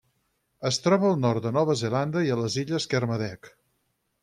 Es troba al nord de Nova Zelanda i a les Illes Kermadec.